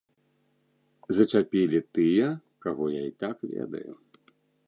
Зачапілі тыя, каго я і так ведаю.